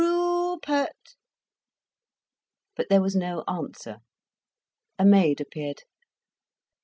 "Roo o opert." But there was no answer. A maid appeared.